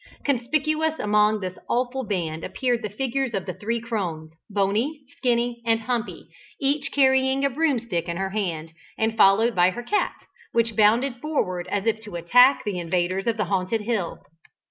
Conspicuous among this awful band appeared the figures of the three crones, Bony, Skinny, and Humpy, each carrying a broomstick in her hand, and followed by her cat, which bounded forward as if to attack the invaders of the haunted hill.